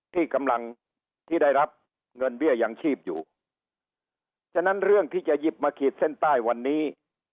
ที่กำลังที่ได้รับเงินเบี้ยยังชีพอยู่ฉะนั้นเรื่องที่จะหยิบมาขีดเส้นใต้วันนี้